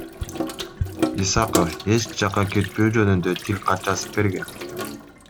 Исаков эч жакка кетпөө жөнүндө тилкат жазып берген.